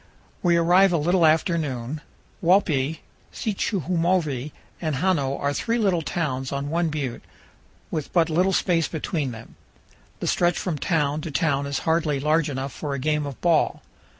We arrive a little after noon. Walpi, Sichumovi, and Hano are three little towns on one butte, with but little space between them; the stretch from town to town is hardly large enough for a game of ball.